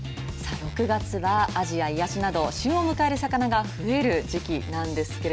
６月はあじやいわしなど旬を迎える魚が増える時期なんです。